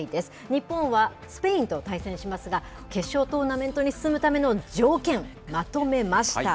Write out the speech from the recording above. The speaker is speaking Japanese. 日本はスペインと対戦しますが、決勝トーナメントに進むための条件、まとめました。